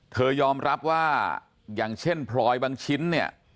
ยอมรับว่าอย่างเช่นพลอยบางชิ้นเนี่ย